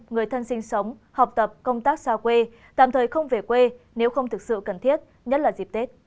người thân sinh sống học tập công tác xa quê tạm thời không về quê nếu không thực sự cần thiết nhất là dịp tết